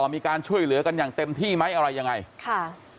มีการช่วยเหลือกันอย่างเต็มที่ไหมอะไรยังไงค่ะ